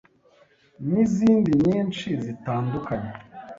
n’izindi nyinshi zitandukanye.